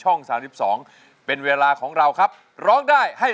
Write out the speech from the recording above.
รายการต่อไปนี้เป็นรายการทั่วไปสามารถรับชมได้ทุกวัย